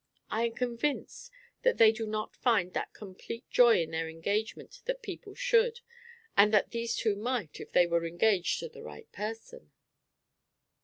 I am convinced that they do not find that complete joy in their engagement that people should, and that these two might if they were each engaged to the right person."